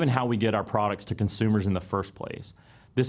dan bahkan cara kita membuat produk kita untuk pengguna di tempat pertama